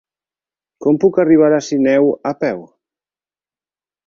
Com puc arribar a Sineu a peu?